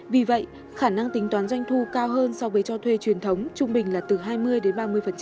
vì vậy khả năng tính toán doanh thu cao hơn so với cho thuê truyền thống trung bình là từ hai mươi đến ba mươi